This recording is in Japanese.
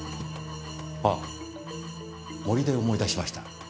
あ森で思い出しました。